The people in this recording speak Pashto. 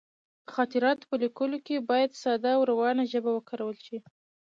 د خاطراتو په لیکلو کې باید ساده او روانه ژبه وکارول شي.